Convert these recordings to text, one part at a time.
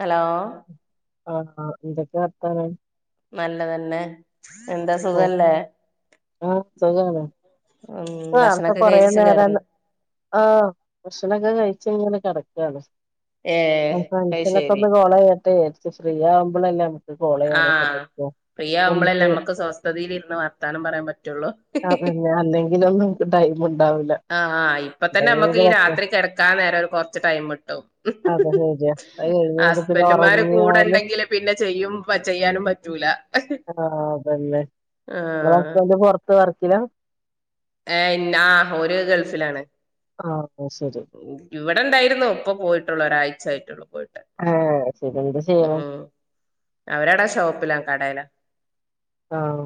Hello ആഹ ആഹ് ഇന്തൊക്കെ വർത്താനം നല്ലതന്നെ എന്താ ഓ സുഖല്ലേ? ആഹ് സുഖാണ് ഉം നേർത്തെ ഭക്ഷണൊക്കെ കൊറേ കഴിച്ച് നേരം കെടന്ന്. ആഹ് ഭക്ഷണൊക്കെ കഴിച്ച് കഴിഞ്ഞ് ഇങ്ങനെ കെടക്കാണ് ഏഹ് അത് [unintelligible] ശരി ഒന്ന് കോള് ചെയ്യട്ടെ ഇച്ചിരി ഫ്രീ ആവുമ്പോളെല്ലേ [unintelligible] ഫ്രീയാവുമ്പോളെല്ലേ നമുക്ക് നമ്മക്ക് സ്വസ്ഥതതിലിരുന്ന് വർത്താനം പറയാൻ പറ്റുള്ളൂ അതന്നെ അല്ലെങ്കിലൊന്നും ടൈം ഉണ്ടാവൂല ആഹ് ആഹ് ഇപ്പ തന്നെ നമ്മക്ക് ഈ എന്തെങ്കിലൊക്കെ രാത്രി കെടക്കാൻ നേരം ഒരു കൊറച്ച് ടൈമ്മ് കിട്ടൂ അതെ ശരിയാ അത് കഴിഞ്ഞിട്ട് പിന്നെ ഹസ്ബൻഡ്ന്മാര് കൂടെ ഒറങ്ങിയാല് ഇണ്ടങ്കില് പിന്നെ ചെയ്യും ഇപ്പ ചെയ്യാനും പറ്റൂല ആഹ് ആഹ് ഇപ്പ വർക്കില ഏ ഇന്ന ആ ഓര് ഗൾഫിലാണ് ആഹ് ഓ ശേരി ഇവിടെണ്ടായിരുന്നു ഇപ്പ പോയിട്ടുള്ളൂ ഒരാഴ്ച ആയിട്ടുള്ളൂ പോയിട്ട് ആഹ് അത് ശരി എന്താ ചെയ്യണെ ഉം അവരടെ ഷോപ്പിലാ കടേല ആഹ്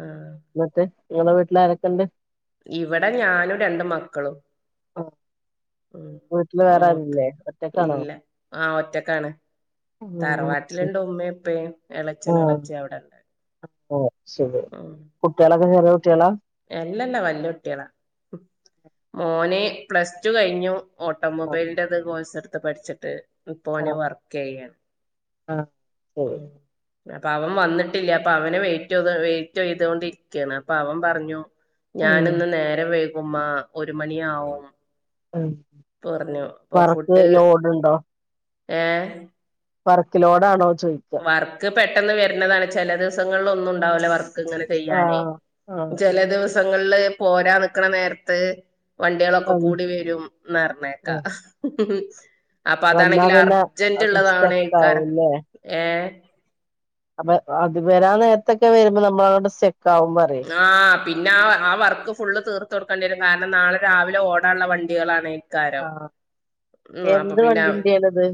ആഹ് നിങ്ങളെ വീട്ടില് ആരൊക്ക്ണ്ട്? ഇവിടെ ഞാനും രണ്ട് മക്കളും ആഹ് ഉം മൂത്ത് ഒറ്റക്കാണോ ഇല്ല ആഹ് ഒറ്റക്കാണ് ഉം തറവാട്ടില്ണ്ട് ഉമ്മേം ഉപ്പേം ഇളച്ഛനും ഇളച്ഛി അവട്ണ്ട് ഓ ശരി കുട്ടിയോളൊക്കെ ചെറിയ കുട്ടിയോളാ? എല്ലല്ലാ വല്യ കുട്ടിയോളാ, മോന് പ്ലസ് ടു കഴിഞ്ഞു ഓട്ടോമൊബൈലിന്റെ ഇത് കോഴ്സ് എടുത്ത് പഠിച്ചിട്ട് ഇപ്പോ ഓന് ആഹ് വർകക്കെയ്യാണ്. ആഹ് ശരി ഉം അപ്പോ അവൻ വന്നിട്ടില്ല അപ്പോ അവന് വെയിറ്റ് ഇത് വെയിറ്റെയ്തൊണ്ടിരിക്കാണ് അപ്പോ അവൻ പറഞ്ഞു ഉം ഞാനിന്ന് നേരം വൈകും ഉമ്മാ ഒരുമണിയാവും ഉം വർക്കേ ലോഡ് ഉണ്ടോ ഏ വർക്ക് ലോടാണോ ചോയി വർക്ക് പെട്ടെന്ന് വരുന്നതാണ് ചെല ദിവസങ്ങളിലൊന്നും ഉണ്ടാവുല്ല വർക്ക് ഇങ്ങനെ ചെയ്യാനേ ആഹ് ആഹ് ചെല ദിവസങ്ങളില് പോരാൻ നിക്കണ നേരത്ത് വണ്ടിയോള് ഒക്കെ വന്ന് കൂടി വരുംന്ന്റന്നേക്ക ആഹ് അപ്പോ വന്നാ അതാണെങ്കില് പിന്നെ അർജന്റ് അത് സ്റ്റക്ക് ഉള്ളതാണെക്കാർ ആവുംല്ലേ ഏ അപ്പോ അത് വരാൻ നേരത്തൊക്കെ വരുമ്പോഴ് നമ്മളവിടെ സ്റ്റക്ക് ആകുംന്ന് പറയും ആ പിന്നെ ആ ആ വർക്ക് ഫുള്ള് തീർത്ത് കൊടുക്കേണ്ടി വരും കാരണം നാളെ രാവിലെ ഓടാനുള്ള വണ്ടികളാണേ കാരം ആഹ് ഉം അപ്പോ എന്ത് പിന്നെ വണ്ടിന്റെയാണിത്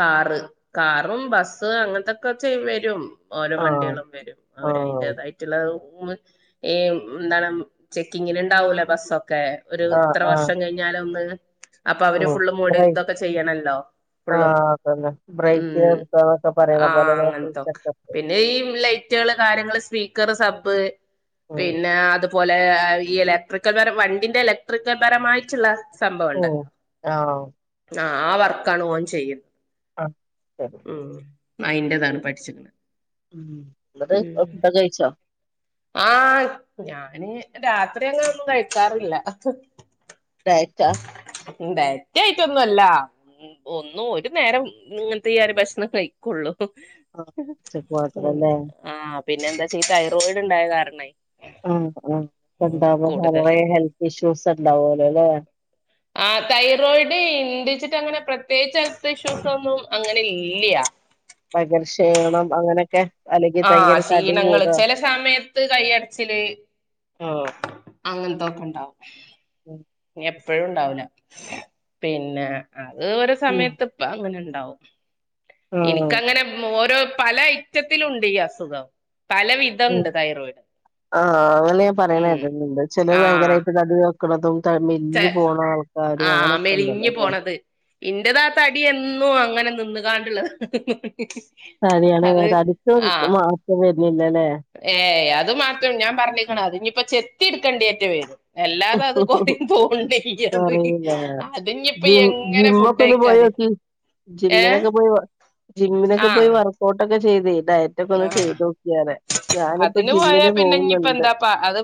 കാറ് കാറും ബസ് അങ്ങനത്തൊക്കെ ചെയ് വരും ഓരോ ആഹ് വണ്ടികളും വരും അവര് ആഹ് അതിന്റെതായിട്ടുള്ള ഉമ് ഈ എന്താണ് ചെക്കിങ്ങിനുണ്ടാവൂലേ ബസ്സൊക്കെ ഒരു ആഹ് ഇത്ര ആഹ് വർഷം കഴിഞ്ഞ് ഞ്ഞാലൊന്ന് അപ്പോ അവര് ഓഹ് ഫുള്ള് മോടി ബ്രേക്ക് ഇതൊക്കെ ചെയ്യണോല്ലോ ഫുള്ളും ആഹ് അതന്നെ ബ്രേക്ക് ഉം നിർത്താന്നൊക്കെ പറയണ ആ പോലെ നേ ഫുൾ അങ്ങനത്തൊക്കെ ചെക്കപ്പ് പിന്നെ ഈ ഉള്ള റ്റ്ലെള് കാര്യങ്ങള് സ്പീക്കറ് സബ്ബ് ഉം പിന്നെ അതുപോ ലെ ഈ ഇലക്ട്രിക്കൽ പരം വണ്ടിന്റെ ഇലക്ട്രിക്കൽ പരമായിട്ടുള്ള സംഭവം ഓഹ് ഉണ്ടല്ലോ ആഹ് ആ ആ വർക്കാണ് ഓൻ ചെയ്യു ആഹ ശരി ഉം അയിന്റെ ഇതാണ് പഠിച്ച്ക്കണ് ഉ ഇന്നട്ട് അഅ് കഴിച്ചോ ആഹ് ഞാന് രാത്രി അങ്ങനെ ഒന്നും കഴിക്കാറില്ല ഡയറ്റാ ഡയറ്റായിട്ടൊന്നും അല്ല ഉ ഒന്നോ ഒരു നേരം ഇങ്ങനത്തെ ഈ അരി ഭക്ഷനൊക്കഴി ള്ളു ഹ് ആഹ് ഉച്ചക്ക് മാത്രല്ലേ പിന്നെ ആഹ് പിന്നെ എന്താ വച്ചാഈ തൈറോയിഡ് ഉണ്ടായത് കാരണേ ആ ആ ഉം ഉണ്ടാവോ കൂടുതൽ കൊറേ ഹെൽത്ത് ഇഷ്യൂസ് ഉണ്ടാവോലോ ല്ലേ ആ തൈറോയിഡ് ഇണ്ട്ച്ച്ട്ട് അങ്ങനെ പ്രത്യേക ഹെൽത്ത് ഇഷ്യൂസ് ഒന്നും അങ്ങനെ ഇല്ല്യാ പകൽ ക്ഷീണം അങ്ങനെയൊക്കെ അല്ലെങ്കിൽ ആഹ് ഭയങ്കര തടി ക്ഷീണങ്ങള് കൂടാ ചെല സമയത്ത് കയ്യടച്ചില് ആഹ് അങ്ങനത്തൊക്കെ ഉണ്ടാവും ഉം ഇനി എപ്പോഴും ഉണ്ടാവുലാ പിന്നെ അത് ഒരു ഉം സമയത്ത് അപ്പ അങ്ങനെ ഉണ്ടാവും എനിക്ക് ആഹ് ക്കങ്ങനെ ഓരോ പല അയ്റ്റത്തിലുണ്ട് ഈ അസുഖം പല വി ഉ ആഹ അങ്ങനെ ഞാൻ ഉം പറയണെട്ടിട്ടുണ്ട് ചിലർ ആഹ് ഭയങ്കരമായിട്ട് തടി ടിക്ക്ണതും ച മെലിഞ്ഞു പോണ ആൾക്കാരും ആഹ് മെലിഞ്ഞു അങ്ങനെയൊക്കെണ്ടല്ലല്ലോ പോണത് ഇന്റതാ തടി എന്നും അങ്ങനെ നിന്ന് കാണ്ടുള്ളത് സരിയാണ് തടിക്കും എത്തും മാറ്റം വരുന്നില്ലല്ലേ ഏയ് അത് മാത്രം ഞാൻ പറഞ്ഞിക്കണ അത് ഇനിയിപ്പോ ചെത്തി എടുക്കണ്ടി ഏറ്റം വരും അല്ലാതെ അത് കുറ കൊറിയൂല്ല അതിഞ്ഞിപ്പ ജിം എങ്ങനെ ജിമ്മ ഫുഡ് ഒക്കെ ഒന്ന് കഴിക്കാതെ പോയോക്കി ഏഹ് ജിമ്മിനൊക്കെ പോയി ജിമ്മിനൊക്കെ പോയി ആഹ് വർക്കഔട്ട്ക്കെ ചെയ്ത ഡയ ഒറ്റക്ക ഒന്ന് ആഹ് ചെയ്ത് നോക്കിയാറ ഞാനിപ്പോ അതിന് ജിമ്മന് പോകുന്നുണ്ട്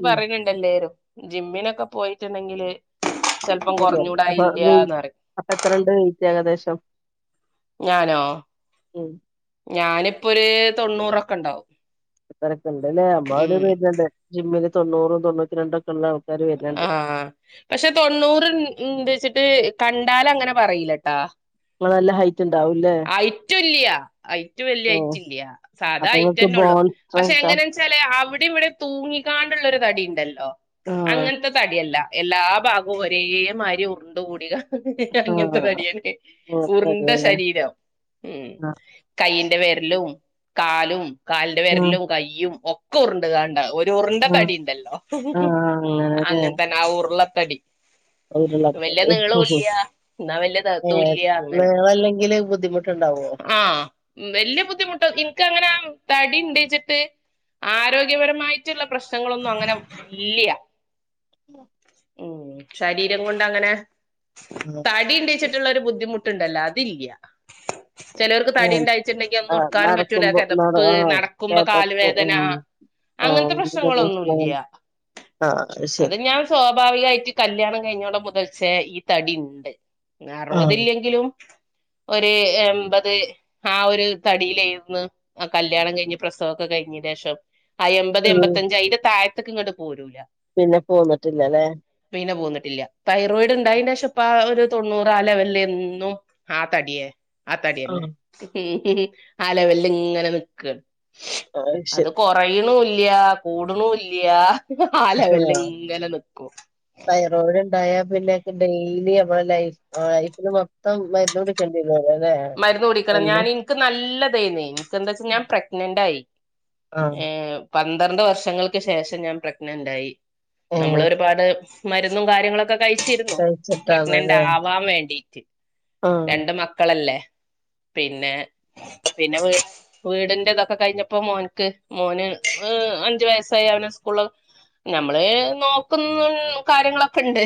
ഉം ല്ലേരും ജിമ്മിനൊക്കെ പോയിട്ടുണ്ടെങ്കില് ചെൽപ്പം ഇപ്പൊ പോയി. അപ്പൊ വെയ് കുറഞ്ഞൂടായില്ലാന്ന് പറയും അപ്പൊ എത്ര രണ്ട് വൈറ്റ് ഏകദേശം ഞാനോ ഉം ഞാനിപ്പോ ഒരു തൊണ്ണൂറൊക്കെ ഉണ്ടാവും അത്രക്കെ ഉണ്ട്ല്ലേ അമ്മടെ ഉം വരുന്ന്ണ്ട് ജിമ്മില് തൊണ്ണൂറും തൊണ്ണൂറ്റി രണ്ടും ഒക്കെ ഉള്ള ആ ആഹ് പക്ഷെ തൊണ്ണൂറ്ണ്ട് ച്ചിട്ട് കണ്ടാല അങ്ങനെ പറയിലട്ടാ നിങ്ങള് നല്ല ഹൈറ്റ് ഉണ്ടാവൂല്ലേ ഹയ്റ്റ് ഇല്ല്യാ അയ്റ്റ് വല്യ ഉം ഹയ്റ്റില്യാ സാധാ അപ്പൊ നിങ്ങക്ക് അയ്റ്റെന്നെ ഉള്ളൂ ബോൺ പക്ഷെ സ്ട്രെങ്താ എങ്ങനെ അവിടെ ഇവിടെ തൂങ്ങിക്കാണ്ടുള്ളരു തടി ഉണ്ടല്ലോ ആഹ് അങ്ങനത്തെ തടിയല്ല എല്ലാ ഭാഗവും ഒരേ മാരി ഉര്ണ്ട് കൂടി കാ അങ്ങനത്തെ ആഹ് തടിയാണ് അതെ ഉര്ണ്ട അതെ ശരീരം ഉം ആ കയ്യിന്റെ വിരലും കാലും കാലിന്റെ ആഹ് വിരലും കൈ്യും ഒക്കെ ഉര്ണ്ട് കാണ്ടാ ഒരു ഉര്ണ്ട ആഹ് തടി ഉണ്ടല്ലോ ആഹ് അങ്ങനെ തന്നെ ആ ഉരുളത്തടി അങ്ങനെല്ലേ വല്യ ഉരുളപ്പത് നീളോല്യ എന്നാ വല്യ ഇതു ഏഹ് ഇല്ലയ അങ്ങനെ നീളല്ലെങ്കില് ബുദ്ധിമുട്ടുണ്ടാവോ ആഹ് വല്യ ബുദ്ധിമുട്ട് ഇൻക്ക് അങ്ങനെ തടി ഉണ്ട് വച്ചിട്ട് ആരോഗ്യപരമായിട്ടുള്ള പ്രശ്നങ്ങളൊന്നും അങ്ങനെ ഇല്ല്യ ഉം ശരീരം കൊണ്ട് അങ്ങനെ ആഹ് തടി ശരി ഉണ്ട്ച്ചിട്ടുള്ളൊ ഒരു ബുദ്ധിമുട്ട് ഇട്ടുണ്ടല്ലോ അതില്ല. ചിലവർക്ക് തടി ഏഹ് ഉണ്ടായിച്ചിട്ടുണ്ടെങ്കി ഒന്നും ആഹ് എടുക്കാനും പറ്റൂല. നടക്കുമ്പോ നട കെതപ്പ് ആഹ് നടക്കുമ്പോ കാല് കേതപ്പ് വേദന. ഉം ആഹ് അങ്ങനത്തെ പ്രശ്നങ്ങളൊന്നും പ്രശ്നങ്ങൾ ഇല്ലയ. ആഹ് അത് ശരി ഞാൻ സ്വാഭാവിക ആയിട്ട്. കല്യാണം കഴിഞ്ഞോടെ മുതൽച്ചേ ഈ തടി ഉണ്ട്. അറുപത് ആഹ് ലെങ്കിലും ഒരു എമ്പത്. ആ ഒരു തടിയിലേരുന്ന് ആ കല്യാണം കഴിഞ്ഞ് പ്രസവമൊക്കെ കഴിഞ്ഞ് ശേഷം. ആ എൺമ്പത് ഉം എൺപത്തഞ്ച് അതിന്റെ താഴത്തേക്ക് ഇങ്ങോട്ട് പോരൂല്ല. പിന്നെ പോന്ട്ട്ല്ലല്ലേ പിന്നെ പോന്നിട്ടില്ല തൈറോയിഡ് ഇണ്ടായിന്റേഷ ഇപ്പാ ആഹ് ഒരു തൊണ്ണൂറാ ആഹ് ലെവലില്ലെന്നും. എന്നും ആ തടിയേ ആ തടിന്നെ ആഹ് ആ ലെവല് ഇങ്ങനെ നിക്കാ. അത് കൊറയ്ണൂലാ കൂടുണൂലാ. ആഹ് ല്ലെവലിഇങ്ങനെ നിക്കും. ണ്ടായ പിന്നെക്കെ ഡെയിലി നമ്മളെ ലൈഫ് ലൈഫില് മൊത്തം മരുന്ന് കുടി [unintelligible] ല്ലെ എന്നും ൻക്ക് നല്ല ഇതേനെയ് ഇൻക്കെ എന്താച്ചാ ഞാൻ പ്രഗ്നനന്റായി ആഹ് ഏ പന്ത്രണ്ട് വർഷങ്ങൾക്ക് ശേഷം ഞാൻ പ്രഗ്നന്റായി ഏഹ് നമ്മളൊഒരുപാട്. മരുന്നും കാര്യങ്ങളൊക്കെ കഴിച്ചിരുന്നു പ്രഗ്നന്റ് കഴിച്ചിട്ടാണല്ലേ ആവാൻ വേണ്ടിട്ട്. ആഹ് രണ്ട് മക്കളല്ലേ പിന്നെ പിന്നെ വ് വീടിന്റെ ഇതൊക്കെ കഴിഞ്ഞപ്പോ മോനക്ക് മോന് ഹ് അഞ്ചു വയസ്സായി അവന് സ്കൂള് നമ്മള് നോക്കുന്നു കാര്യങ്ങളൊക്കെ ഇണ്ട്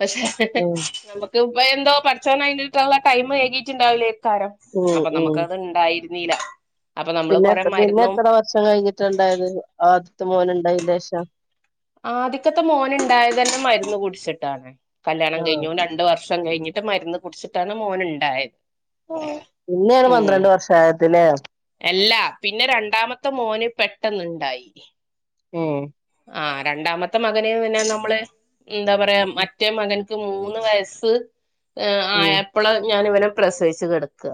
പക്ഷെ ഉം നമുക്ക് ഇപ്പ എന്തോ പച്ചോന കഴഞ്ഞിട്ടുള്ള ടൈം ഏകിട്ട്ണ്ടാവില്ലേക്കാരം ഉം അപ്പൊ ഉം നമുക്ക് അത് ഇണ്ടായിരിന്നീല്ല പിന്നെ പിന്നെ എത്ര വർഷം കഴിഞ്ഞിട്ട ഇണ്ടായത് ആദ്യത്തെ മോന് ഇണ്ടായിന്റേഷം ആദ്യക്കത്തെ മോൻ ഉണ്ടായതന്നെ മരുന്ന് കുടിച്ചിട്ടാണ് കല്യാണം ആഹ് കഴിഞ്ഞു ഓന് രണ്ടു വർഷ ഷം കഴിഞ്ഞിട്ട് മരുന്ന് കുടിച്ചിട്ടാണ് മോൻഇണ്ടായത്. പിന്നേണ് പന്ത്രണ്ട് വർഷയത്തിന് എല്ലാ പിന്നെ രണ്ടാമത്തെ മോന് പെട്ടന്ന്ണ്ടായി ഉം ആഹ് രണ്ടാമത്തെ മകന് പിന്നെ നമ്മള്. ഇന്താ പറയാ മറ്റേ മകൻക്ക് മൂന്ന് വയസ്സ്. ഉം ആയപ്ള് ഞാന് ഇവനെ പ്രസവിച്ച് കിടക്കാ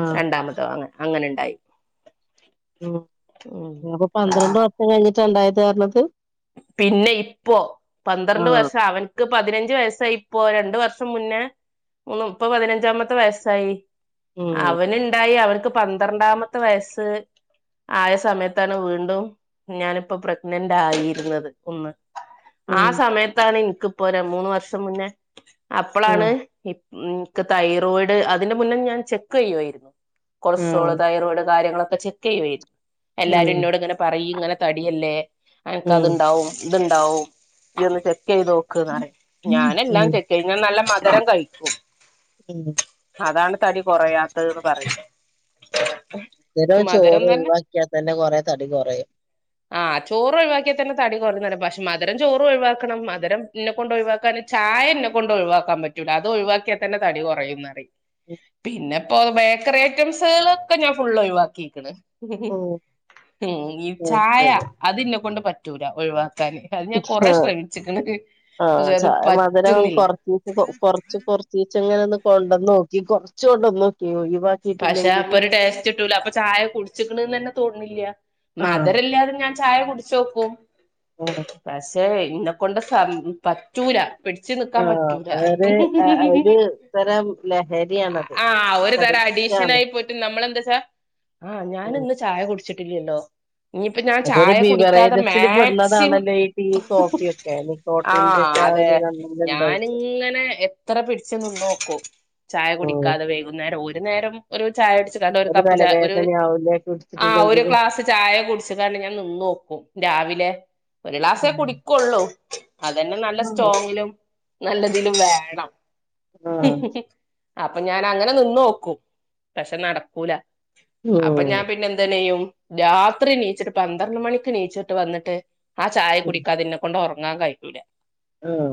ആഹ് രണ്ടാമതോ അങ്ങനെ അങ്ങനെ ഇണ്ടായി ഉം പ്പോ ആ പന്ത്രണ്ട് വർഷം കഴിഞ്ഞിട്ടാ ഇണ്ടായത് തറഞ്ഞത് പിന്നെ ഇപ്പോ പന്ത്രണ്ട് ആഹ് വർഷം അവൻ ക്ക് പതിനഞ്ച് വയസ്സായി ഇപ്പോ രണ്ടു വർഷം മുന്നേ മന്ന് ഇപ്പ പതിനഞ്ചാമത്തെ വയസ്സായി ഉം അവനുണ്ടായി അവർക്ക് പ പന്ത്രണ്ടാമത്തെ വയസ്സ് ആയ സമയത്താണ് വീണ്ടും ഞാനിപ്പോ പ്രഗ്നന്റാ ആയി. ഒന്ന് ആ ഉം സമയത്താണ് ഇൻക്ക്പ്പോരാ മൂന്ന് വർഷം മുന്നേ. അപ്പോളാണ് ആഹ് ഇൻക്ക് തൈറോയിഡ് അതിന്റെ മുന്നേ ഞാൻ ചെക്ക് ചെയ്യുവായിരുന്നു കൊളസ്ട്രോൾ ആഹ് തൈറോയിഡ് കാര്യങ്ങളൊക്കെ ചെക്ക് ചെക്ക്യോയായിരുന്നു എല്ലാരും ഉം ഇന്നോട് ഇങ്ങനെ പറയ്യ് ഇങ്ങനെ തടിയല്ലേ. ക്ക ഉം അതുണ്ടാവും ഇതുണ്ടാവും ഇയൊന്ന് ടെസ്റ്റെയ്തോ ക്ക് നറയും ഉം ഞാനെല്ലാം ചെക്കെയ്യും ഞ്ഞാൻ നല്ല മധരം കഴിക്കും. ഉം അതാണ് തടി കുറയാത്തദ്ന് പറയും. ധുരോം മധുരം ചോറും തന്നെ ഒഴിവാക്ക്യാ തെന്നെ കൊറേ തടി കൊറയും ആഹ് ചോറ് ഒഴിവാക്കി തെന്നെ തടി കൊറയുന്ന് പറയും. പക്ഷെ മധരം ചോറ് ഒഴിവാക്കണം മധരം ഇന്നെ കൊണ്ട് ഒഴികാന് ച്ചായ ഇന്നെ കൊണ്ട് ഒഴിവാക്കാ പ ല അത് ഒഴിവാക്യ തെന്നെ തടി കെറയുന്നറിം പിന്നെപ്പോ ബേക്കറി ഐറ്റംസ്ള് ഒക്കെ ഞാൻ ഫുള്ള് ഒഴിവാക്കിക്ണ്. ഉം ഹും ഈ ഉം ചായ അതിന്നെ കൊണ്ട് പറ്റൂല ഒഴിവാക്കാന്. അത് ഞാൻ ഉം ഹാ കൊറെ ശ്രമിച്ചിക്ക്ണ് ആഹ് പക്ഷെ അത് ചായ മധുരം പറ്റുന്നില്ല കൊർച്ചീച്ചെ കൊ കൊർ ച്ച് കൊർച്ചീച്ചെങ്ങനെന്ന് കൊണ്ടന്നോക്കി കൊർച്ചൊണ്ടനോക്കി [unintelligible] പക്ഷേ അപ്പൊ ഒരു ടേസ്റ്റ്ട്ടൂല അപ്പൊ ചായ കുടിച്ക്ക്ണ്നെന്നെ തോൺണില്ലാ ആഹ് മദരല്ലാതെ ഞാൻ ചായ കുടിച്ചോക്കും [unintelligible] പശേ ഇന്നെ കൊണ്ട് സം പറ്റൂല പിടിച് നിക്കാ ആഹ് പറ്റൂല അതൊരു ഒരു തരം ലഹരിയാണത് ആഹ് ഒരു തര അടി അഡിക്റ്റാണ് അഡിക്ഷനായിട്ട് പോയിട്ട് നമ്മളെന്താച്ചാ ആഹ് ഉം ഞാനിന്ന് ചായ കുടിച്ചിട്ടില്ലല്ലോ ഇഞ്ഞിപ്പോ ഞാൻ അതൊരു ചായ കുടിക്കാതെ ബിവറേജസിൽ മാക്സിമം പെടുന്നതാണല്ലോ ഈ ടീ കോഫിയൊക്കെ നിക്കോട്ടിന്റെ ആഹ് ഒക്കെ ആ അതേ ഒരു കണ്ടന്റ് ഉണ്ടായിട്ട് ഞാനിങ്ങനേ എത്ര പിടിച്ച് നിന്നോക്കും ചായ ഉം കുടിക്കാതെ വൈകുന്നേരം ഒരു നേരം ഒരു ചായൊടിച്ച്ങ്ങാണ്ട് ഒര് ഒരു കപ്പ് ചാ ഒര് തലവേദനയാവൂലേ ആഹ്‌ ഒര് കുടിച്ചിട്ടില്ലെങ്കില് ഗ്ലാസ് ചായ കുടിച്ച്ങ്ങാണ്ട് ഞാൻ നിന്നോക്കും രാവിലെ ഒരു ക്ലാസേ ആഹ് കുടിക്കൊള്ളൂ അതന്നെ നല്ല ആഹ് സ്ട്രോങ്ങിലും നല്ലതിലും വേണം അപ്പ ഞാനങ്ങനെ നിന്നോക്കും പക്ഷേ നടക്കൂല അപ്പൊ ഉം ഞാൻ പിന്നെ എന്തണിയും രാത്രി നീച്ചിട്ട് പന്ത്രണ്ട് മണിക്ക് നീച്ചിട്ട് വന്നിട്ട് ആഹ് ചായ കുടിക്കാതെന്നെക്കൊണ്ട് ഒറങ്ങാൻ കയ്യൂല ആഹ്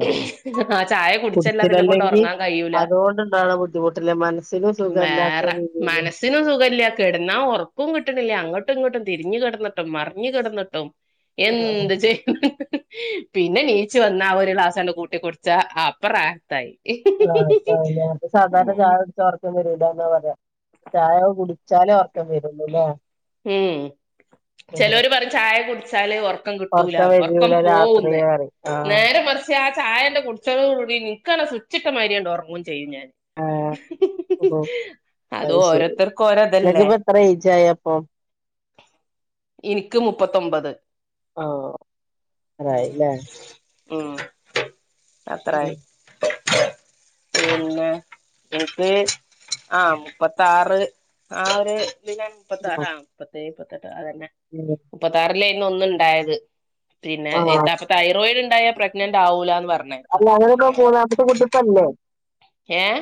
ആഹ് ചായ കുടിച്ചല്ലാതെന്നെക്കൊണ്ട് ഒറങ്ങാൻ കയ്യൂലാ അതോണ്ട്ണ്ടാവ്ണ ബുദ്ധിമുട്ടില് മനസ്സിനും സുഖല്ലാത്ത രീതിയില് സ്സിനും സുഖല്ല്യ കെട്ന്നാ ഒറക്കും കിട്ട്ണില്ല അങ്ങട്ടും ഇങ്ങട്ടും തിരിഞ്ഞ് കെട്ന്ന്ട്ടും മറിഞ്ഞ് കെട്ന്ന്ട്ടും എന്ത് ചെയ് പിന്നെ നീച്ച് വന്നാ ആഹ് ഒരു ഗ്ലാസ്സാണ്ട് കൂട്ടി കുടിച്ചാ അപ്പ റാഹത്തായി റാഹത്തായിലേ മറ്റേ സാധാരണ ഉം ചായൊ ച്ചാ ഒറക്കം വരൂലാന്നാ പറയാ ചായ കുടിച്ചാലേ ഒറക്കം വരൊള്ളൂല്ലേ ഉം ചേലോര് പറയും ചായ കുടിച്ചാല് ഒറക്കം കിട്ടൂലാന്ന് ഒറക്കം പോവ്വും പറയാറിം ആഹ് ച്ച് ആ ചായണ്ട് കുടിച്ചതോട്കൂടി നിക്കാണ്ട് സുച്ച്ട്ട മാര്യാണ്ട് ഒറങ്ങും ചെയ്യും ഞാന് ആഹ് അത് അയ്ശരി ഓരോരുത്തർക്കും ഓരോതല്ലേ ഇങ്ങക്ക്പ്പോ എത്ര ഏജായി അപ്പോ ഇനിക്ക് മുപ്പത്തൊമ്പത് ആഹ് ആഹ് അത്രയായില്ലേ ഉം ഉം അത്രായി പിന്നേ എനിക്ക് ആഹ് മുപ്പത്താറ് ആ ഒര്തിനനു മുപ്പത്താറാ മുപ്പത്തേഴ് മുപ്പത്തെട്ട് അതന്നെ ഉം മുപ്പത്താറിലേന്നു ഒന്ന്ണ്ടായത് പിന്നെ ഇ ആഹ് ത അപ്പ തൈറോയിഡ് ണ്ടായാ പ്രഗ്നന്റ് ആവൂലാന്ന് പർ അല്ലാ അങ്ങനെപ്പോ മൂന്നാമത്തെ കുട്ടിപ്പല്ലേ ഏഹ്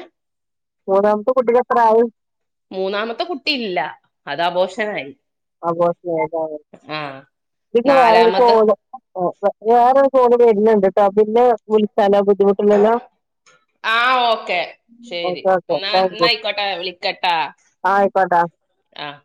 മൂന്നാമത്തെ കുട്ടിക്ക് എത്രായി മൂന്നാമത്തെ കുട്ടി ഇല്ല അത് അബോഷനായി അബോഷനായില്ലേ ആഹ് ഇത്ക്ക് വേറെ ഒരു നാലാമത്തെ കോൾ വേറൊരു കോള് വര്ണ് ണ്ട്ട്ടോ പിന്നേ വിളിച്ചാലോ ബുദ്ധിമുട്ടില്ലല്ലോ ആഹ് ഓക്കേ ശരി ഓക്കെ ഓക്കെ ന്നാ ഇന്നയിക്കോട്ടെ വിളിക്കട്ടാ ആഹ് ആയിക്കോട്ടേ ആഹ്